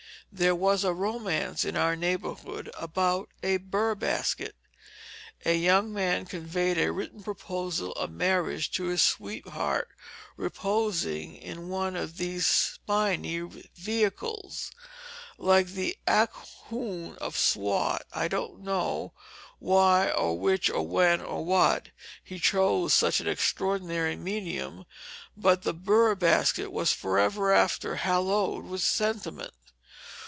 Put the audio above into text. There was a romance in our neighborhood about a bur basket. A young man conveyed a written proposal of marriage to his sweetheart reposing in one of the spiny vehicles. Like the Ahkoond of Swat, I don't know "why or which or when or what" he chose such an extraordinary medium, but the bur basket was forever after haloed with sentiment.